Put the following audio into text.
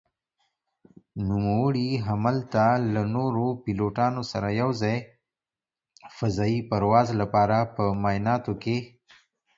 نوموړي هملته له نورو پيلوټانو سره يو ځاى فضايي پرواز لپاره په معايناتو کې